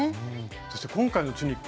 そして今回のチュニック。